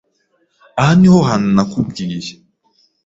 Aha niho hantu nakubwiye.